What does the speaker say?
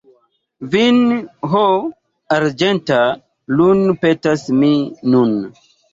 Vin ho arĝenta lun’ petas mi nun.